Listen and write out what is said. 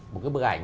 một cái bức ảnh